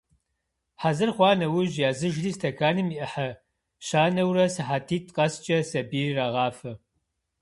Хьэзыр хъуа нэужь языжри, стэканым и ӏыхьэ щанэурэ сыхьэтитӏ къэскӏэ сабийр ирагъафэ.